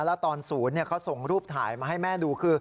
แล้วตอนศูนย์เขาส่งรูปถ่ายมาให้แม่ดูคือ